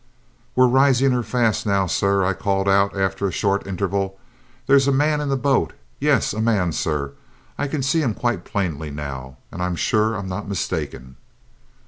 "We're rising her fast now, sir," I called out after a short interval. "There's a man in the boat; yes, a man, sir. I can see him quite plainly now, and I'm sure I'm not mistaken!"